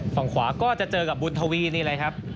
ฝั่งขวาก็จะเจอกับบุญทวีนี่แหละครับ